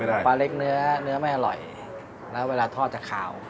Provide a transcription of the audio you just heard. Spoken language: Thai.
เพราะว่าปลาเล็กเนื้อไม่อร่อยแล้วเวลาทอดจะขาว